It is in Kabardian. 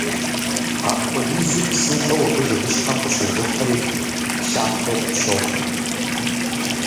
Апхуэдизу псынщӏэу абы жыгыщхьэм къыщежыхьри, лъатэу къыпщохъу.